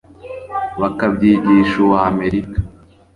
bakabyigisha uwa amerika